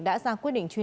đã ra quyết định truy nã